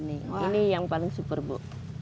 ini yang paling super bu